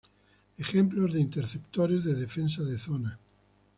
Ejemplos de interceptores de defensa de zona